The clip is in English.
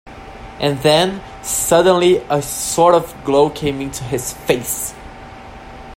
And then suddenly a sort of glow came into his face.